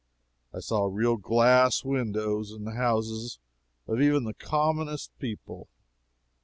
I saw real glass windows in the houses of even the commonest people.